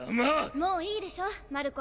もういいでしょマルコ。